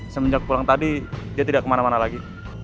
semenjak pulang tadi dia tidak kemana mana lagi